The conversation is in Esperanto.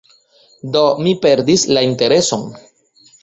Do, mi perdis la intereson.